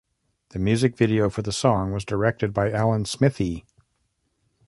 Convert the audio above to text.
The music video for the song was directed by Alan Smithee.